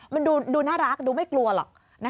มันดูน่ารักดูไม่กลัวหรอก